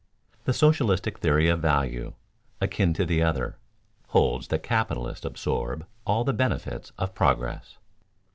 _The socialistic theory of value, akin to the other, holds that capitalists absorb all the benefits of progress.